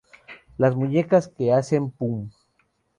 Las muñecas que hacen ¡pum!